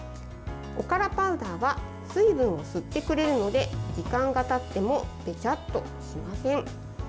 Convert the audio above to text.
おからパウダーは水分を吸ってくれるので時間がたってもベチャッとしません。